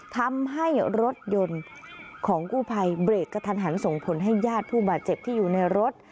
ทำให้รถยนต์ของกู้ภัยเบรกกระทันหันส่งผลให้ญาติผู้บาดเจ็บที่อยู่ในรถ